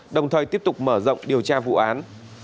đồng thời tiếp tục mở rộng điều tra vụ án